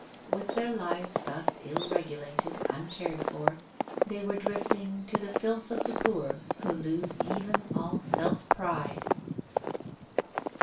With their lives thus ill regulated, uncared for, they were drifting to the filth of the poor who lose even all self pride.